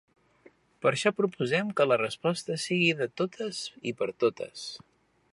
Per això proposem que la resposta sigui de totes i per totes.